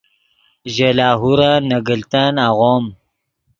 ژے لاہورن نے گلتن آغوم